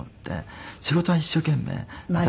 仕事は一生懸命。